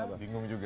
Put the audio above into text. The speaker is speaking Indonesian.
bella bingung juga